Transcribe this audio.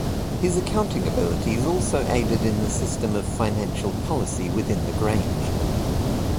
His accounting abilities also aided in the system of financial policy within the Grange.